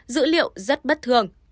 dữ liệu rất bất thường